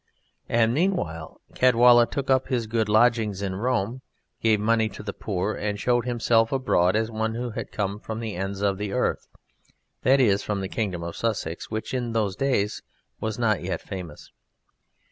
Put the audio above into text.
And meanwhile Caedwalla took up good lodgings in Rome, gave money to the poor, and showed himself abroad as one who had come from the ends of the earth, that is, from the kingdom of Sussex, which in those days was not yet famous.